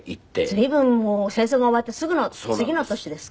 随分もう戦争が終わってすぐの次の年ですか？